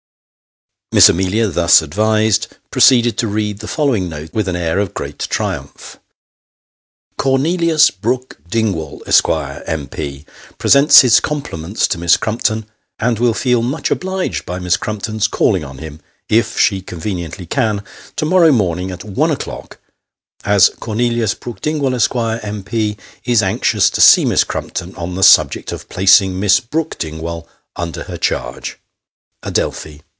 Miss Amelia, thus advised, proceeded to read the following note with an air of great triumph " Cornelius Brook Dingwall, Esq., M.P., presents his compliments to Miss Crumpton, and will feel much obliged by Miss Crumpton's calling on him, if she conveniently can, to morrow morning at one o'clock, as Cornelius Brook Dingwall, Esq., M.P., is anxious to see Miss Crumpton on the subject of placing Miss Brook Ding, vail under her charge. " Adelphi.